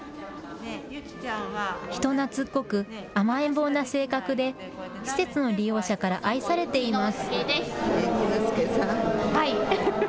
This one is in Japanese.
人なつっこく、甘えん坊な性格で施設の利用者から愛されています。